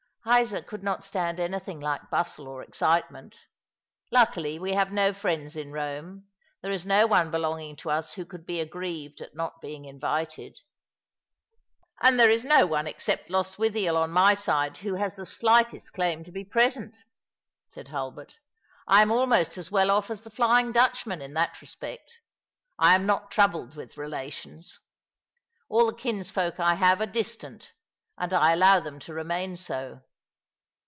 "Isa could not stand anything like bustle or excitement. Luckily we have no friends in Eome. There is no one belonging to US who could be aggrieved at not being invited." " And there is no one except Lostwithiel on my side who has the slightest claim to be present," said Hulbert. " I am almost as well off as the Flying Dutchman in that respect. I am not troubled with relations. All the kinsfolk I have are distant, and I allow them to remain so.